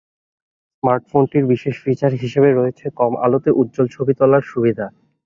স্মার্টফোনটির বিশেষ ফিচার হিসেবে রয়েছে কম আলোতে উজ্জ্বল ছবি তোলার সুবিধা।